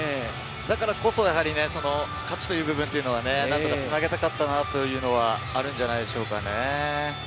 だからこそ勝ちという部分は何とかつなげたかったかなというのがあるんじゃないでしょうか。